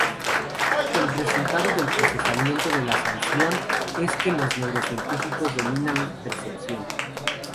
El resultado del procesamiento de la sensación es que los neurocientíficos denominan percepción.